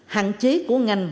hạn chế của ngành